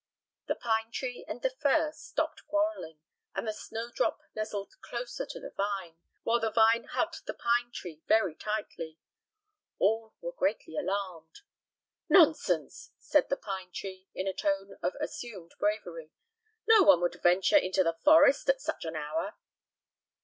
The pine tree and the fir stopped quarrelling, and the snowdrop nestled closer to the vine, while the vine hugged the pine tree very tightly. All were greatly alarmed. "Nonsense!" said the pine tree, in a tone of assumed bravery. "No one would venture into the forest at such an hour."